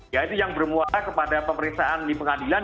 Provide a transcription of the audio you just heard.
ya itu yang bermuara kepada pemeriksaan di pengadilan